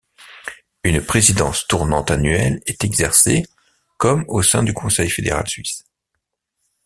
Une présidence tournante annuelle est exercée, comme au sein du Conseil fédéral suisse.